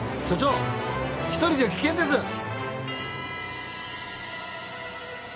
署長１人じゃ危険です！